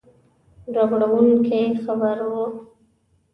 ربړوونکی خبر وو.